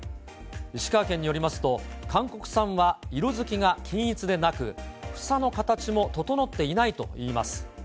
石川県によりますと、韓国産は色づきが均一でなく、房の形も整っていないといいます。